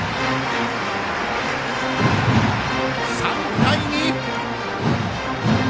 ３対２！